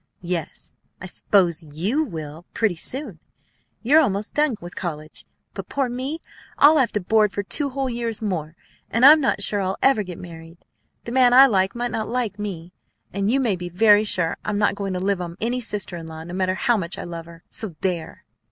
"Yes, I s'pose you will, pretty soon. You're almost done college. But poor me! I'll have to board for two whole years more, and I'm not sure I'll ever get married. The man I like might not like me. And you may be very sure I'm not going to live on any sister in law, no matter how much I love her, so there!"